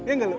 iya gak lu